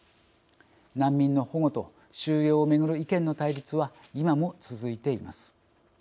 難民の保護と収容をめぐる意見の対立は今も続いています。